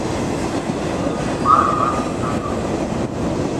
پيلي ڪُنڀآ ڪآٽيٚ ليآندو هي۔